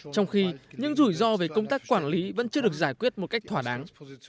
trong khi những rủi ro về công tác quản lý vẫn chưa được giải quyết một cách thỏa đáng